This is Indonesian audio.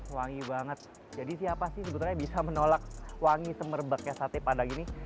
wangi banget jadi siapa sih sebetulnya bisa menolak wangi semerbaknya sate padang ini